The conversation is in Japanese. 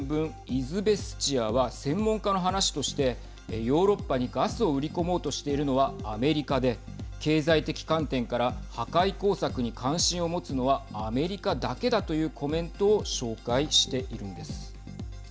イズベスチヤは専門家の話としてヨーロッパにガスを売り込もうとしているのはアメリカで経済的観点から破壊工作に関心を持つのはアメリカだけだというコメントを紹介しているんです。